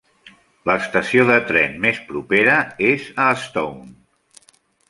L'estació de tren més propera és a Stone.